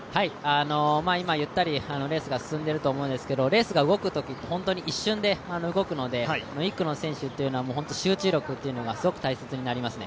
今ゆったりレースが進んでいると思うんですが、レースが動くとき、本当に一瞬に動くので１区の選手というのは本当に集中力がすごく大切になりますね。